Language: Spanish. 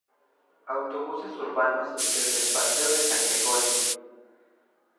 Autobuses urbanos desde el Paseo de San Gregorio.